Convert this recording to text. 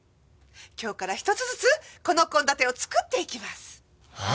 今日から一つずつこの献立を作っていきます！